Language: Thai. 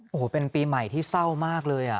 โอ้โหเป็นปีใหม่ที่เศร้ามากเลย